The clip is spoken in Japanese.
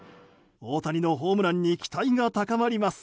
大谷のホームランに期待が高まります。